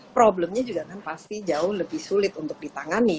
problemnya juga kan pasti jauh lebih sulit untuk ditangani